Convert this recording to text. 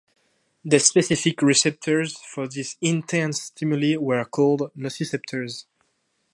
The specific receptors for these intense stimuli were called nociceptors.